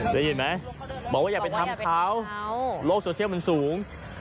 ได้ยินไหมบอกว่าอย่าไปทำเขาโลกโซเชียลมันสูง